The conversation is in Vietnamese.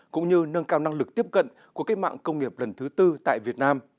cũng như nâng cao năng lực tiếp cận của cách mạng công nghiệp lần thứ tư tại việt nam